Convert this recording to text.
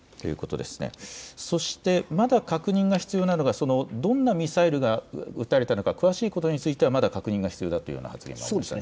そしてまだ確認が必要なのがどんなミサイルだったか、撃たれたのか、詳しいことについては確認が必要だという発言がありました。